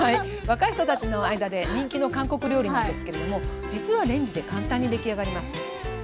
若い人たちの間で人気の韓国料理なんですけれども実はレンジで簡単に出来上がります。